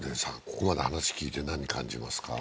ここまで話聞いて何感じますか？